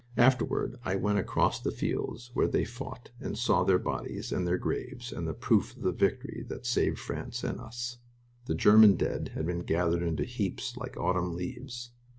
Afterward I went across the fields where they fought and saw their bodies and their graves, and the proof of the victory that saved France and us. The German dead had been gathered into heaps like autumn leaves.